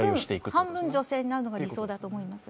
半分女性になるのが理想だと思います。